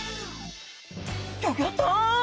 ギョギョッと！